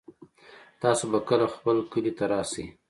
تاسو به کله خپل کلي ته راشئ